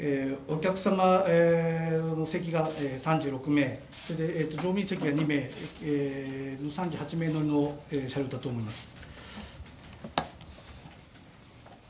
お客様の座席が３６名、乗務員席が２名、３８名乗りの車両だと思います。